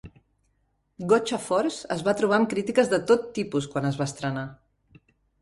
"Gotcha Force" es va trobar amb crítiques de tot tipus quan es va estrenar.